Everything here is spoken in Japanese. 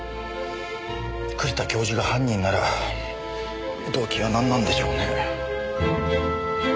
栗田教授が犯人なら動機はなんなんでしょうね？